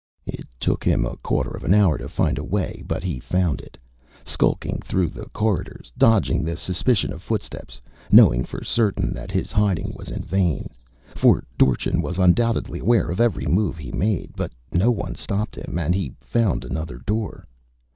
It took him a quarter of an hour to find a way, but he found it skulking through the corridors, dodging the suspicion of footsteps, knowing for certain that his hiding was in vain, for Dorchin was undoubtedly aware of every move he made. But no one stopped him, and he found another door.